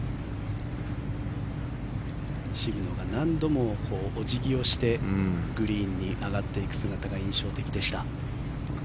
渋野が何度もお辞儀をしてグリーンに上がっていく姿が印象的でした。